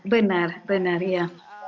benar benar iya